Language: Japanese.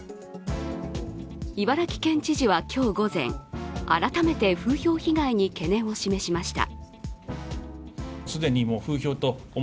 茨城県知事は今日午前、改めて風評被害に懸念を示しました。